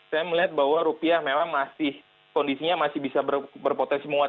saya melihat bahwa rupiah memang masih kondisinya masih bisa berpotensi menguat